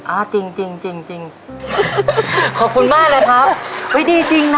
อ่าจริงจริงจริงจริงขอบคุณมากนะครับไว้ดีจริงนะ